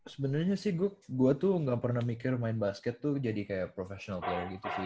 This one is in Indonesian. sebenernya sih gua tuh ga pernah mikir main basket tuh jadi kayak professional player gitu sih